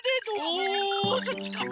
おおそっちか！